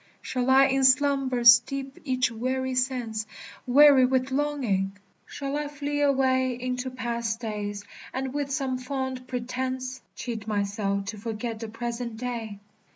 Shall I in slumber steep each weary sense, Weary with longing? shall I flee away Into past days, and with some fond pretence Cheat myself to forget the present day?